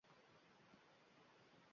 Har zamon to’xtab-to’xtab